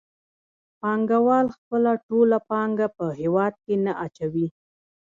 پانګوال خپله ټوله پانګه په هېواد کې نه اچوي